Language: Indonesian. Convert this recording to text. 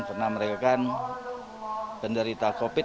karena mereka kan penderita covid sembilan belas